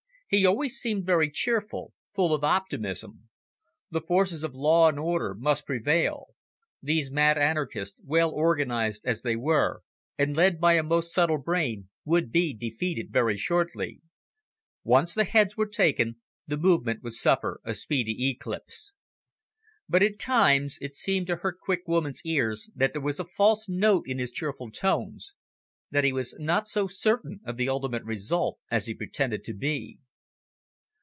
He always seemed very cheerful, full of optimism. The forces of law and order must prevail; these mad anarchists, well organised as they were, and led by a most subtle brain, would be defeated very shortly. Once the Heads were taken, the movement would suffer a speedy eclipse. But at times it seemed to her quick woman's ears that there was a false note in his cheerful tones, that he was not so certain of the ultimate result as he pretended to be.